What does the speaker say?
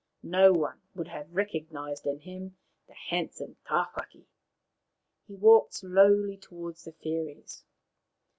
No one would have recognized in him the handsome Tawhaki. He walked slowly towards the fairies.